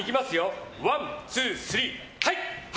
ワン、ツー、スリー、はい！